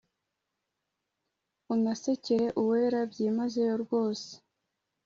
Unasekere Uwera byimazeyo rwose